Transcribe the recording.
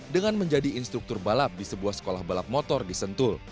dengan menjadi instruktur balap di sebuah sekolah balap motor di sentul